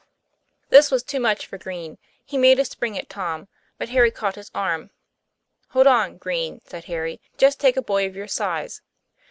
This was too much for Green; he made a spring 4t Tom. But Harry caught his arm. ' Hold on, Green," said Harry. " Just take a boy of your size."